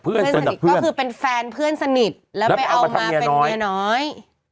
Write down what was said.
เพื่อนสนิทก็คือเป็นแฟนเพื่อนสนิทแล้วไปเอามาเป็นเมียน้อย